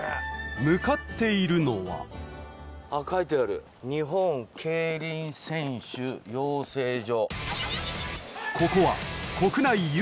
向かっているのは書いてある「日本競輪選手養成所」。